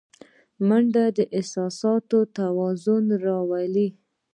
منډه د احساساتو توازن راولي